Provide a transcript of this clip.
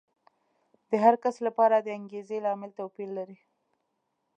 د هر کس لپاره د انګېزې لامل توپیر لري.